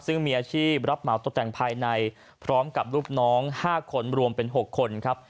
ซึ่งมีอาชีพรับเหมาตกแต่งภายในพร้อมกับลูกน้อง๕คนรวมเป็น๖คนครับ